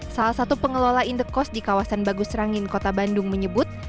salah satu pengelola in the coast di kawasan bagus rangin kota bandung menyebut